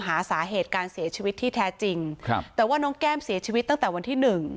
หาสาเหตุการเสียชีวิตที่แท้จริงครับแต่ว่าน้องแก้มเสียชีวิตตั้งแต่วันที่หนึ่ง